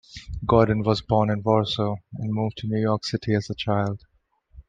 Gordon was born in Warsaw and moved to New York City as a child.